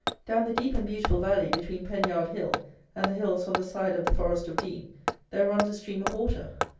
Down the deep and beautiful valley between Penyard Hill and the Hills on the side of the Forest of Dean, there runs a stream of water.